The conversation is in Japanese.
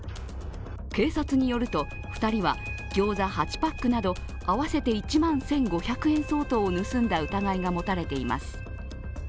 警察によると、２人はギョーザ８パックなど合わせて１万１５００円相当を盗んだ疑いが持たれています。